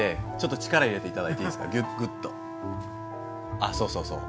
あっそうそうそう。